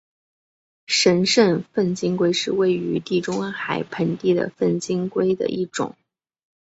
神圣粪金龟是位于地中海盆地的粪金龟的一种。